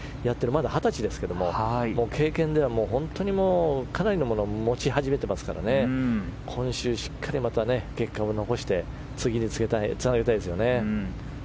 まだ二十歳ですけども経験ではかなりのものを持ち始めていますから今週、しっかり結果を残して次につなげたいですよね。